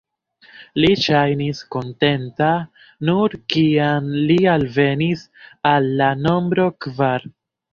Li ŝajnis kontenta, nur kiam li alvenis al la nombro kvar.